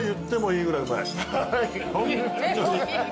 ホントに。